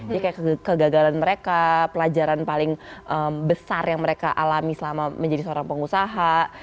jadi kayak kegagalan mereka pelajaran paling besar yang mereka alami selama menjadi seorang pengusaha